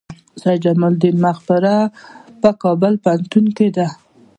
سید جمال الدین مقبره په کابل پوهنتون کې ده؟